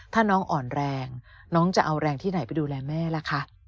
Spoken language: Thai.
ถ้าน้องอ่อนแรงน้องจะเอาแรงที่ไหนไปดูแลแม่ล่ะคะ